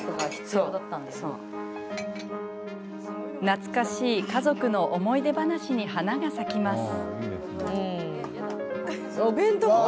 懐かしい家族の思い出話に花が咲きます。